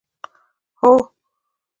هو.